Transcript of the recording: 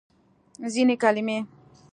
ځینې کلمې